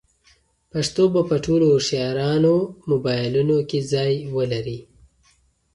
پښتو به په ټولو هوښیارانو موبایلونو کې ځای ولري.